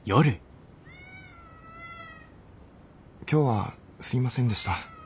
「今日はすいませんでした。